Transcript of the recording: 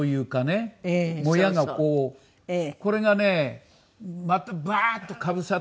これがねまたバーッとかぶさったり